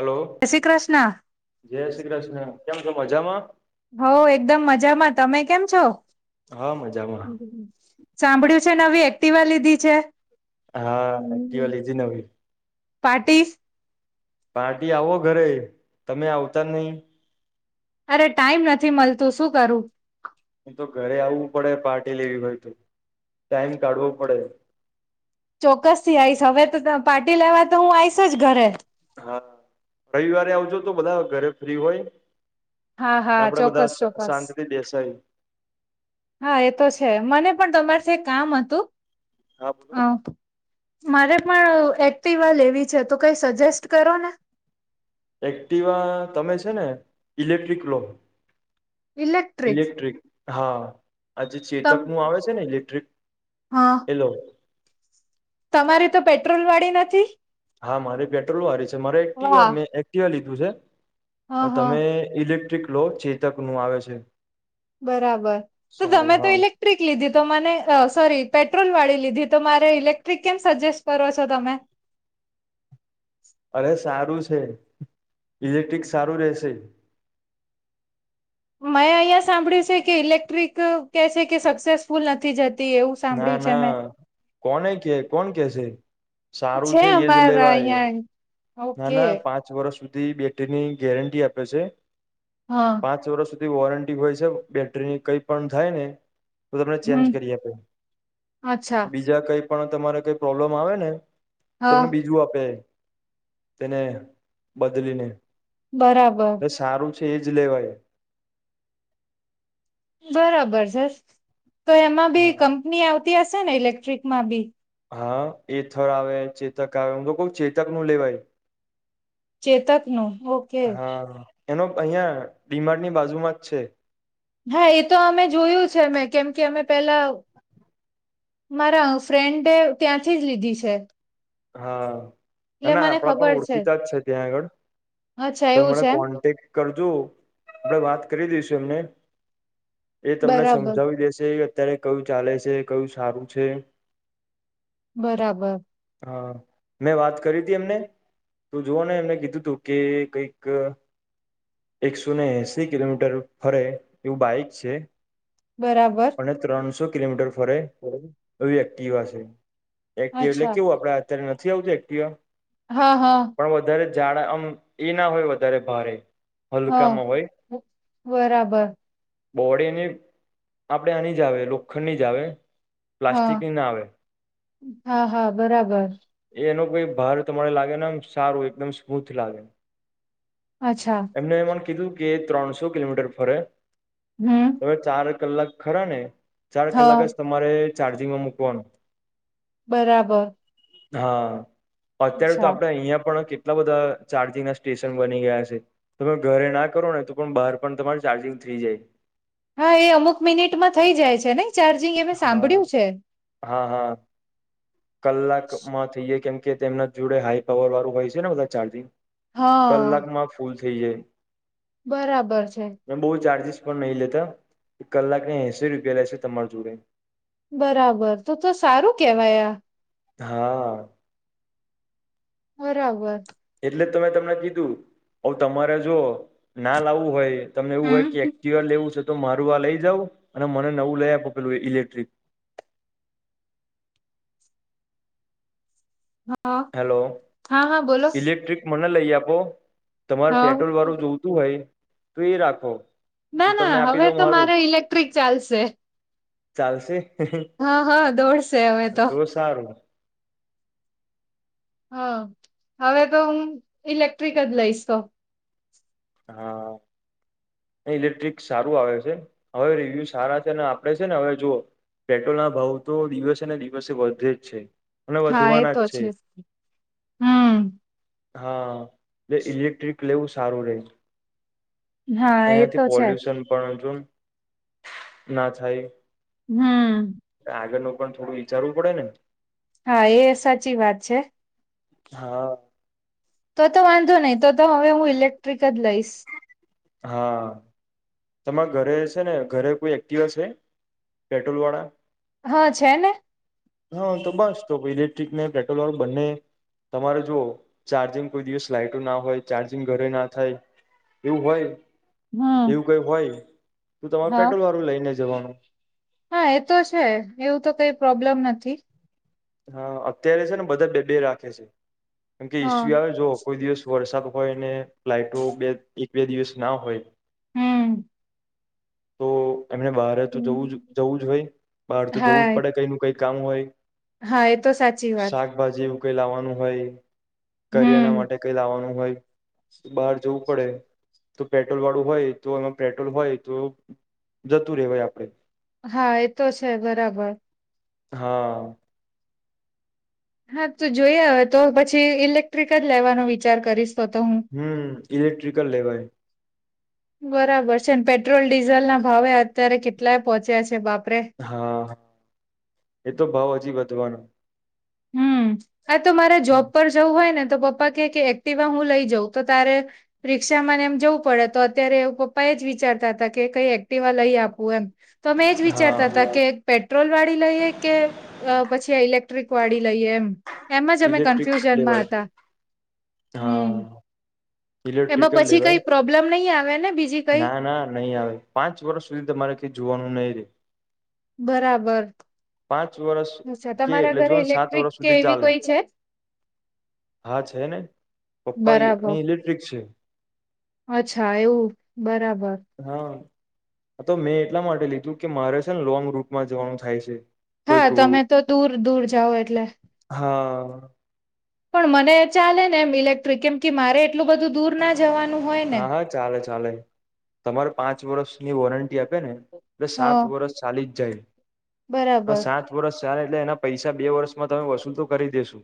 Hello જય શ્રી કૃષ્ણ જય શ્રી કૃષ્ણ કેમ છો મજામાં. હ એકદમ મજામાં તમે કેમ છો હા મજામાં સાંભળ્યું. નવી એક્ટિવા લીધી છે હા એક્ટવાલી જ નવી પાટીીસ પાર્ટી આવો ઘરે તમે આવતા જ નહી અરે ટાઈમ નથી મળતું શું કરું એ તો ઘરે આવવું પડે પાર્ટી લેવી હોય તો ટાઈમ કાઢવો પડે ચોક્કસ થી આવીશ હવે તો પાર્ટી લેવા તો હું આવીઈશ જ ઘરે હા રવિવારે આવજો તો બધા ઘરે ફ્રી હોય હા ને હા આપડે બધા ચોક્કસ ચોક્કસ શાંતિથી બેસાય હા એતો છે મને પણ તમાર કામ હતું હા બોલો અ મારે પણ એક્ટિ વા લેવી છે તો કઈ સજેસ્ટ કરો ને એક્ટિવા તમે છે ને ઇલેક્ટ્રિક લોમ ઇલેક્ટ્રિક હા આજે તમ ચેતક નું આવે છે ને ઇલેક્ટ્રિક હા એલો તમારી તો પેટ્રોલ વાળી નથી હા મારે પેટ્રોલ વાળી છે મારે એક્ટવા મેં વાહ એક્ટિવા લીધું હ છે હ તમે ઇલેક િક લો ચેતકનું આવે છે બરાબર તો સારું, તમે તો હા ઇલેક્ટ્રિક લીધી તો મને સોરી પેટ્રોલ વાળી લીધી તો મારે ઇલેક્ટ્રિક કેમ સજેસ્ટ કરો છો તમે અરે સારું છે ઇલેક્ટિક સારું રશે મેં અહિયાં સાંભળ્યું છે કે ઇલેક્ટ્રિક કે છે કે સક્સેસફુલ નથી જતી એવું ના સાંભળ્યું છે ના મેં કોને કે કોણ કેશે સારું છે એજ અમારા લેવાય અહિયાં ના ઓકે ના પાંચ વર્ષ સુધી બેટરીની ગેરંટી આપે છે હા પાંચ વર્ષ સુધી વોરંટી હોય છે બેટરીની કંઈ પણ થાય ને તો તમને ચેન્જ હમ કરી આપે અચ્છા બીજા કઈ પણ તમારે કઈ પ્રોબ્લમ આવે ને હા તમને બીજું આપે તેને બદલીને બરાબર છ જ લવાય બરાબર સર તો એમાં બી હા કંપની આવતી હશે ને ઇલેક્ટ્રિક માં બી હા એથર આવે ચેતક આવે હમ તો ક ચેતક નું લેવાય ચેતકનો ઓકે હા એનો અહિયાં બીમારની બાજુમાં જ છે હા એ તો અમે જોયું છે મે કેમ કે અમે પેલા મારા ફ્રેન્ડે ત્યાંથી જ લીધી છે હા એટલે અને મને આપડા પણ ખબર ઓળખીતા જ છે ત્યાં આગળ અચ્છા તો એવું મને છે એમ કોન્ટેક્ટ કરજો આપડે વાત કરી દઈશું એમને એ તમને બરાબર સમજાવી દેશે એ અત્યારે કયું ચાલે છે કયું સારું છે બરાબર હા મેં વાત કરી હતી એમને તો જોવા ને એમને કીધું તું કે કઈક એકસો ને એસીી કિલોમીટર ફરે એવું બાઈક છે બરાબર અને ત્રણસો કિલોમીટર ફરે એ એક્ટિવાશે એક્ટિવ એટલે અચ્છા કેવું આપડે અત્યારે નથી આવજ એક્ટિવ હા હા ઝાડા આમ એ ના હોય વધારે ભારે હા હલકામાં હોય બરાબર બહળીની આપડે આની જ આવે લોખંડ ની જ આવે હા પ્લાસ્ટિકએ ના આવે, હા હા બરાબર એ એનું [unintelligible] બાર તમારે લાગે ને એમ સારું એકદમ સ્મૂથ લાગે‌ અચ્છા એમને મન કીધું કે ત્રણસો કિલોમીટર ફરે, હમ અવે ચાર જ કલાક ખરા ને, ચાર કલાક હા જ તમારે ચાર્જિંગમાં મકવાનું બરાબર. હા અત્યારે તો અચ્છા આપડે અંયા પણ કે એટલા બધા ચાર્જિંગ ના સ્ટેશન બની ગયા છે તમે ઘરે ના કરો ને, તો પણ બાર પણ તમાર ચાર્જિંગ થઈ જાય. હા એ અમુક મિનિટમાં થઈ જાય છે ને ચાર્જિંગ એ મેં સાંભળ્યું છે હા-હા-હા. કલાકમાં થ્યયે કેમ કે તેમના જોડે હાઈ પાવર વાળું હોય છે ને બધા ચાર્જિંગ હા કલાકમાં ફૂલ થઇ જાય. બરાબર છે. અને બહુ ચાર્જિસ પણ નય લેતા કલાકને એસી રૂપિયા લેશે તમાર જોડે. બરાબર તો-તો સારું કેવાય આ. હા. બરાબર. એટલે જ તો તમને કીધું ઓવ તમારે જો ના લાવું હોય તમને એવું હોય કે હમ એકટીવા લેવું છે તો મારું આ લઈ જઉું, અને મને નવું લેય આપો પેલું ઇલેક્ટ્રિક. [inaudible] હા હેલો હા હા બોલો ઇલેક્ટ્રિક મન લઈ આપો તમાર હા પેટ્રોલ વાળું જોવતું હોય તો એ રાખો. હું ના-ના તમને આપી હવે દઉં તો મારું મારે ઇલેક્ટ્રિક ચાલશે. ચાલશે હે-હે હા હા દોડશે હવે તો સારું. હા હવે તો હું ઇલેક્ટ્રિક જ લઈશ તો. હા. ઇલેક્ટ્રિક સારું આવે છે, હવે રિવ્યુ સારા છે ને આપડે છે ને હવે જુઓ પેટ્રોલ ના ભાવ તો દિવસે ને દિવસે વધે જ છે. હા એ તો છે જ [unintelligible] હમ. હા [unintelligible] ઇલેક્ટ્રિક લેવું સારું રેય હા એ એનાથી તો છે પોલ્યુશન પણ જોન ના થાય. હમ. આગળનું પણ થોડું વિચારવું પડે ને. હા એ સાચી વાત છે. હા. તો-તો વાંધો નય, તો-તો હવે હું ઇલેક્ટ્રિક જ લઈશ. હા. તમાર ઘરે સે ને, ઘરે કોઈ એક્ટિવા સે પેટ્રોલ વાળા? હા છે ને હા, તો બસ તો ઇલેક્ટ્રિકને પેટ્રોલ વાળુ બંને તમારે જો ચાર્જિંગ કોઈ દિવસ લાઈટો ના હોય ચાર્જિંગ ઘરે ના થાય એવું હોય હમ એવું કઈ હોય, તો તમારે હા પેટ્રોલ વાળું લઈને જવાનું. હા એ તો છે એવું તો કઈ પ્રોબ્લેમ નથી. હા અત્યારે છે ને બધા બે-બે રાખે છે કેમકે હા ઈસ્યુ આવે જોઓ કોઈ દિવસ વરસાદ હોય ને ફ્લાઇટો બે એક બે દિવસ ના હોય હમ. તો એમને બહર જ તો જવું જ જવું જ હોય બહાર તો જવું જ હા પડે કઈ નું કઈ કામ હોય. હા એ તો સાચી વાત. શાકભાજી એવું કઈ લાવાનું હોય, કરીયાણા ના હમ માટે કઈ લાવાનું હોય. બહાર જવું પડે. તો પેટ્રોલ વાળું હોય તો એમાં પેટ્રોલ હોય તો જતું રહેવાય આપડે. હા એ તો છે બરાબર. હા. હા તો જોયા હવે તો પછી ઇલેક્ટ્રિક જ લેવાનો વિચાર કરીશ. તો તો હું હમ ઇલેક્ટ્રિકલ લેવાય. બરાબર છે પેટ્રોલ ડીઝલ ના ભાવે અત્યારે કેટલાય પોહોંચ્યા છે બાપ. હા એતો ભાવ હજી વધવાનો. હમ આ તો મારે જોબ પર જવું હોય ને. તો પપ્પા કે એક્ટવા હું લઈ જાઉં તો તારે રિક્ષા ને એમ જવું પડે તો અત્યારે પપ્પા એ. જ વિચારતા હતા કે કઈ એક્ટિવા લઈ આપવું એમ. તો અમે એજ હા વિચારતા હતા કે પેટ્રોલ વાળી લઈએ કે પછી ઇલેક્ટ. વાડી લઈએ એમ એમ જ અમે ઇલેક્ટ્રિક કન્ફ્યુઝનમાં લેવાય હતા હમ. હા એમાં ઇલેક્ટ્રિકલ પછી લેવાય કઈ પ્રોબ્લેમ નહીં આવે. ને બીજી કઈ ના ના નહી આવે પાંચ વર્ષ સુધી તમારે ક જોવાનું નહીિ રે. બરાબર. પાંચ વર્ષ અચ્છા કે તમારા એટલે જો ઘરે ને સાત ઇલેક્ટ્રિક વર્ષ કે સુધી એવી ચાલે કોઈ છે. હા છે ને બરાબર પપ્પાની ઇલેક્ટ્રિક છે. અચ્છા એવું બરાબર. હા તો મેં એટલા માટે લીધું કે મારે છે ને લોંગ રૂટમાં જવાનું થાય છે. કોઈ હા કો તમે તો દૂર દૂર જાઓ એટલે. હા. પણ મને ચાલે ને એમ ઇલેક્ટ્રિક કેમ કે મારે એટલું બધું દૂર ના જ. હા હા ચાલે ચાલે તમારે પાંચ વર્ષની વોરંટી આપે ને. એ હ સાત વરષ ચાલી જ જાય આ બરાબર સાત વર્ષ. સાર એટલે એના પૈસા બે વર્ષમાં તમે વસૂલ તો કરી દેેશુ.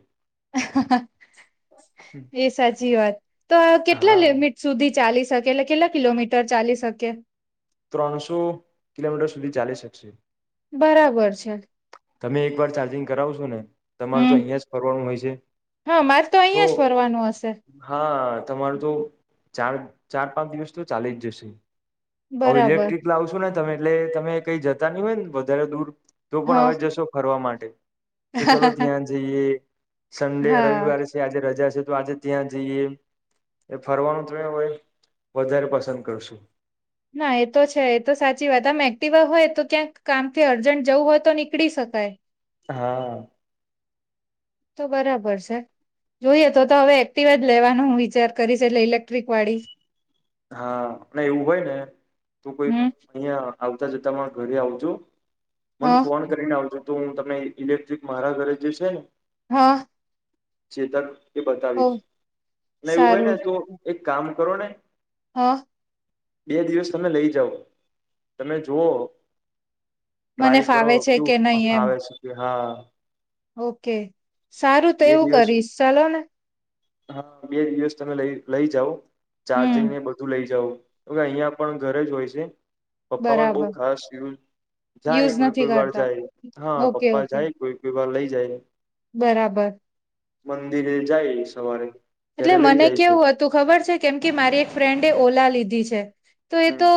એ સાચી વાત તો આ કેટલા લે હા મ. સુધી ચાલી શકે એટલે કેટલા કિલોમીટર ચાલી શકે. ત્રણસો કિલોમીટર સુધી ચાલી શકશે. બરાબર છે. તમે એક વાર ચાર્જિંગ કરાવ છો ને. તમારું તો હમ અહિયાં જ ફરવાનું હોય છે હા મારે તો અહિયાં જ ફરવાનું હશે હા. તમારું તો ચાર ચાર પાંચ દિવસ તો ચાલી જ જશે. હવે બરાબર ઇલેક્ટ્રિક લાવશું ને તમે એટલે તમે કઈ જતા નહી હોય ને વધારે દૂર. તો પણ હા હવે જશો ફરવા માટે કે ચલોો હા ત્યાં જઈએ. સંડે રવિવારે છે આજે રજા છે તો આજે ત્યાં જઈએ. એ ફરવાનું તમે વધારે પસંદ કરશુ. ના એ તો છે એ તો સાચી વાત આમ એક્ટિવા હોય તો ક્યાંક કામથી અર્જન્ટ જવું હોય તો નીકળી શકે. કાઈ. હા. તો બરાબર છે. જોઈએ તો તો હવે એક્ટિવા જ લેવાનું વિચાર કરીશ એટલે ઇલેક્ટ્રિક વાળી. હા અને એવું હોય ને તું કોઈ હમ વાર અહિયાં. આવતા જતા મા ઘરે આવજો મને હા ફોન કરીને આવજો. તો હું તમને ઇલેક્ટ્રિક મારા ઘરે જે છે ને. હા. ચેત એ ઓ બતાવીશ એવું હોય ને તો એક કામ કરો ને. હા. બે દિવસ તમે લઈ જાઓ તમે જુઓ. મને ટ્રાય કરો ફાવે છે કુ કે નહી આખા એમ આવે સુ હા. ઓકે સારું તો બે એવું દિવસ કરીશ ચાલો ને હા બે દિવસ તમે લઈ લઈ જાઓ ચાર્જિંગ હમ ને બધું લઈ જાવ તો અહિયાં પણ ઘરે જ હોય છે પપ્પા પણ બહ બરાબર ખાસ થયું જાય યુઝ કોઈ નથી કોઈ વાર કરતા જાય હા ઓકે પપ્પા ઓકે જાય કોઈ કોઈ વાર લઇ જાય બરાબર મંદિરે જાય સવારે એટલે ત્યારે લઈ મને જાય છે કેવું હતું ખબર છે કેમ કે મારી એક ફ્રેન્ડ ઓલા લીધી છે તો એ હમ તો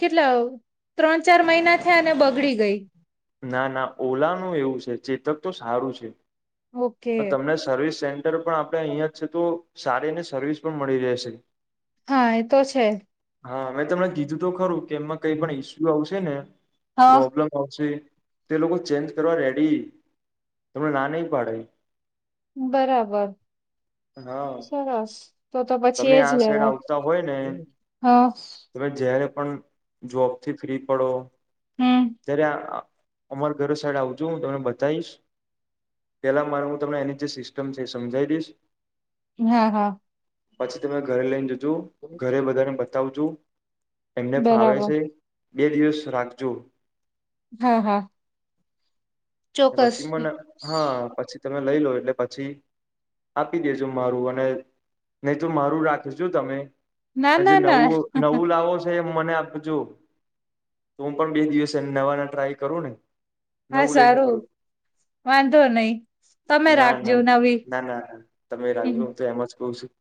કેટલા ત્રણ ચાર મહિના થયા અને બગડી ગઈ ના ના ઓલાનું એવું છે ચેતક તો સારું છે ઓકે તમને સર્વિસ સેન્ટર પણ આપણે અહીં જ છે તો સારીને સર્વિસ પણ મળી રહેશે હા એ તો છે હા મેં તમને કીધું તો ખરું કે એમાં કઈ પણ ઈસ્યુ આવશે ને હા પ્રોબ્લેમ આવશે તે લોકો ચેન્જ કરવા રેડી તને ના નહ પાડે બરાબર હા સરસ તો તો પછી તમે એજ આ સાઈડ લેવા આવતા હોય ને હા તમે જયારે જોબથી ફ્રી પડો હમ જ અમાર ઘરો સાઈડ આવજુ હું તમને બતાવીશ પેલા મારે હું તમને એની જે સિસ્ટમ છે એ સમજાવી દઈશ હા હા પછી તમે ઘરે લઈને જજો ઘરે બધાને બતાવજુ એમને ફાવે બરાબર છે બે દિવસ રાખજો હા હા ચોક્કસ પછી મને હા પછી તમે લઈ લો એટલે પછી આપી દેજો મારું અને નહી તો મારું રાખીશું તમે ના જે ના ના નવું નવું લાવો છ મને આપજ તો હું પણ બે દિવસ નવા ના ટ્રાય કરું ને હા નવું લઈન સારું કરું વાંધો નહી તમે ના રાખજો ના નવી ના ના તમે રાખજો હું તો એમ જ કઉ છું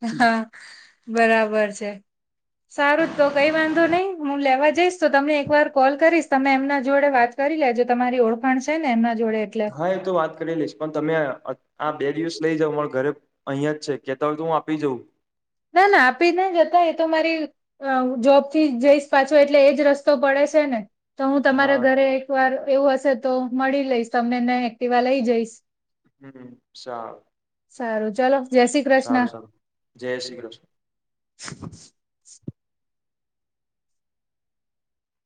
હા બરાબર છે સારું તો કઈ વાંધો નહી હું લેવા જઈશ તો તમને એક વાર કોલ કરીશ તમે એમના જોડે વાત કરી લેજ તમારી ઓળખણ છે ને એમના જોડે એટલે હા એ તો વાત કરી લઈશ પણ તમે આ બે દિવસ લઇ જાઉ મારા ઘરે અહિયાં જ છે કેતા હોય તો હું આપી જઉં ના ના આપી ના જતા એ તો મારી જોબ થી જઈશ પાછો એટલે એજ રસ્તો પડે ને તો હું તમારા હા ઘરે એક વાર એવું હશે તો મળી લઈશ તમનેને એક્ટિવા લઈ જઈશ હમ સા સારું ચાલો સારું સારું જય શ્રી કૃષ્ણ [inaudible]